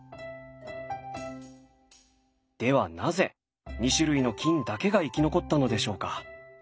ではなぜ２種類の菌だけが生き残ったのでしょうか？